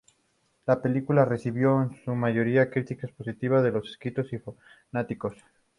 La película recibió en su mayoría críticas positivas de los críticos y fanáticos.